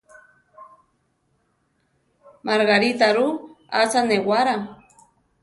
Margarita ru, atza néwará.